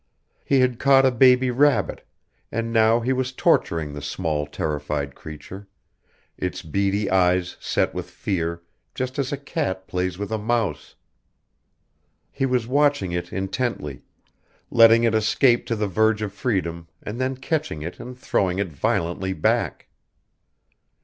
He had caught a baby rabbit, and now he was torturing the small terrified creature, its beady eyes set with fear, just as a cat plays with a mouse. He was watching it intently: letting it escape to the verge of freedom and then catching it and throwing it violently back.